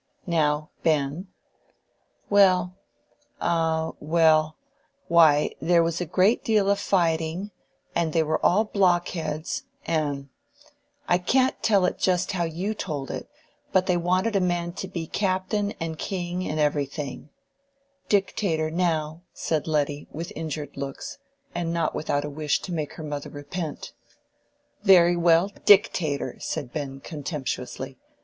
"Now, Ben." "Well—oh—well—why, there was a great deal of fighting, and they were all blockheads, and—I can't tell it just how you told it—but they wanted a man to be captain and king and everything—" "Dictator, now," said Letty, with injured looks, and not without a wish to make her mother repent. "Very well, dictator!" said Ben, contemptuously.